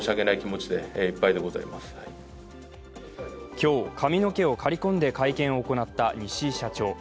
今日、髪の毛を刈り込んで会見を行った西井社長。